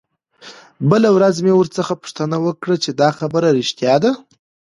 بله ورځ مې ورڅخه پوښتنه وکړه چې دا خبره رښتيا ده.